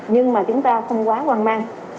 nhưng mà chúng ta không quá hoang mang